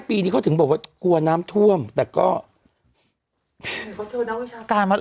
ปีนี้เขาถึงบอกว่ากลัวน้ำท่วมแต่ก็เขาเชิญนักวิชาการมา